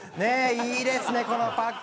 いいですね、このパック。